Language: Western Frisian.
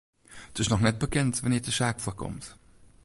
It is noch net bekend wannear't de saak foarkomt.